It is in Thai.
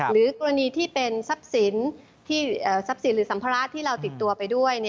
หรือกรณีที่เป็นทรัพย์สินทรัพย์สินหรือสัมภาระที่เราติดตัวไปด้วย